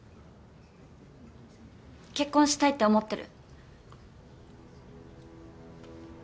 結婚したいって思ってる。